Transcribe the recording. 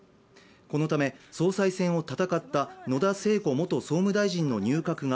このため総裁選を戦った野田聖子元総務大臣の入閣が